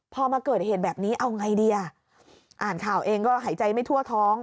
พอมาเกิดเหตุแบบนี้เอาไงดีอ่ะอ่านข่าวเองก็หายใจไม่ทั่วท้อง